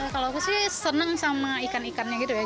kalau aku sih seneng sama ikan ikannya gitu ya